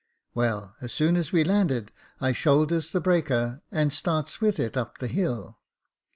"Well, as soon as we landed, I shoulders the breaker, and starts with it up the hill.